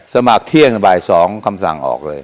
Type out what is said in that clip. สมัครเที่ยงบ่าย๒คำสั่งออกเลย